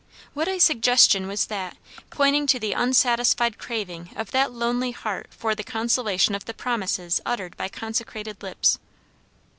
What a suggestion was that, pointing to the unsatisfied craving of that lonely heart for the consolation of the promises uttered by consecrated lips!